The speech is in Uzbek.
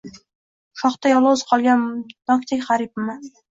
Shoxda yolgʻiz qolgan nokdek gʻaribman